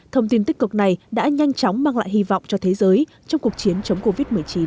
thông tin tích cực này đã nhanh chóng mang lại hy vọng cho thế giới trong cuộc chiến chống covid một mươi chín